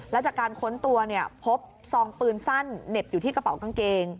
และจากการค้นตัวพบซองปืนสั้นเหน็บอยู่ที่กระเป๋ากางเกง